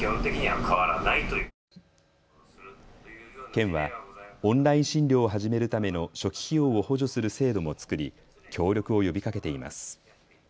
県はオンライン診療を始めるための初期費用を補助する制度も作り協力を呼びかけています。